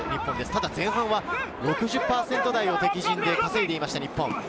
ただ、前半は６０％台を敵陣で稼いでいました。